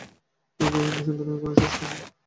কিন্তু এই অনুসন্ধানের এখানেই শেষ হয় না।